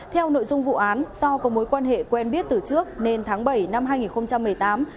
theo nội dung vụ án do có mối quan hệ quen biết từ trước nên tháng bảy năm hai nghìn một mươi tám